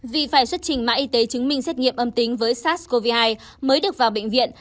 vì phải xuất trình mã y tế chứng minh xét nghiệm âm tính với sars cov hai mới được vào bệnh viện